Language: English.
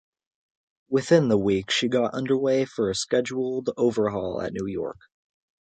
Within the week she got underway for a scheduled overhaul at New York.